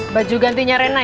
baju gantinya rena ya